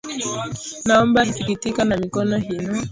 Naomba hisikitika, na mikono hiinua